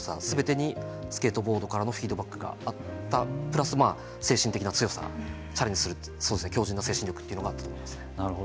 すべてにスケートボードからのフィードバックがあったプラス精神的な強さチャレンジする強じんな精神力というのがあったと思いますね。